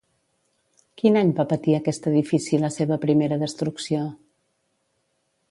Quin any va patir aquest edifici la seva primera destrucció?